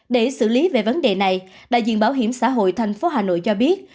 để xử lý về vấn đề này đại diện bảo hiểm xã hội thành phố hà nội cho biết